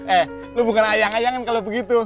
eh lu bukan ayang ayangan kalau begitu